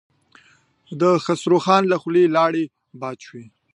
د خسرو خان له خولې لاړې باد شوې.